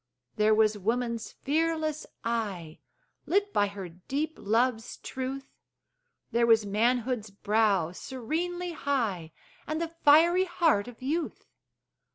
There was woman's fearless eye, Lit by her deep love's truth; There was manhood's brow serenely high, And the fiery heart of youth.